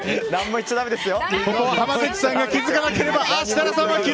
言っちゃだめですよ。